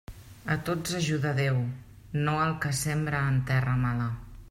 A tots ajuda Déu, no al que sembra en terra mala.